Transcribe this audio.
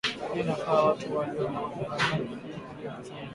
Hii inafanya watu walio madarakani kujinyakulia pesa nyingi